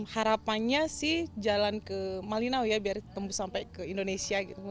harapannya sih jalan ke malinau ya biar tembus sampai ke indonesia gitu